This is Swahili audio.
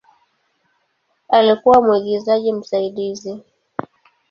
Alikuwa mwigizaji msaidizi.